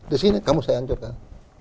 di sini kamu saya anjurkan